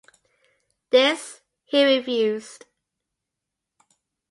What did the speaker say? This he refused.